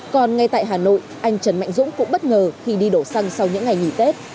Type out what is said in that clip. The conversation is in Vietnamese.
còn ngay tại hà nội anh trần mạnh dũng cũng bất ngờ khi đi đổ xăng sau những ngày nghỉ tết